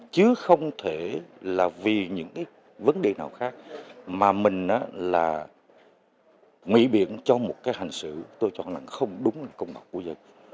chứ không thể là vì những vấn đề nào khác mà mình là nguy biện cho một hành sử tôi chọn là không đúng công bậc của dân